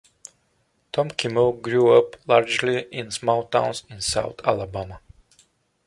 Tom Kimmel grew up largely in small towns in south Alabama.